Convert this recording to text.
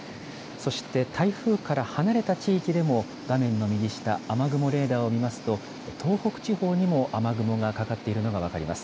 そして台風から離れた地域でも、画面の右下、雨雲レーダーを見ますと、東北地方にも雨雲がかかっているのが分かります。